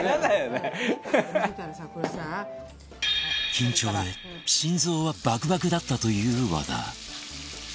緊張で心臓はバクバクだったという和田